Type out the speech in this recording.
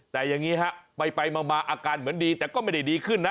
แต่อย่างนี้ฮะไปมาอาการเหมือนดีแต่ก็ไม่ได้ดีขึ้นนะ